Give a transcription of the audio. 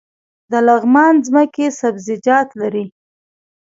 د لغمان ځمکې سبزیجات لري